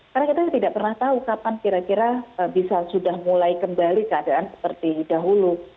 karena kita tidak pernah tahu kapan kira kira bisa sudah mulai kembali keadaan seperti dahulu